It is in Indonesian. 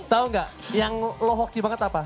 tau gak yang lo hoki banget apa